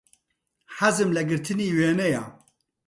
حەزم لە گرتنی وێنەیە.